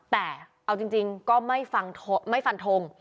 แต่เอาจริงก็ไม่ฟันทง